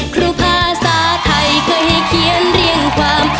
ครูภาษาไทยเคยให้เขียนเรียงความ